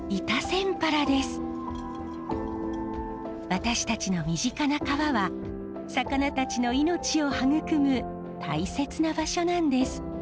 私たちの身近な川は魚たちの命を育む大切な場所なんです。